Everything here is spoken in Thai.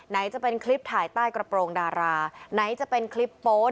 ไหนจะเป็นคลิปถ่ายใต้กระโปรงดาราไหนจะเป็นคลิปโป๊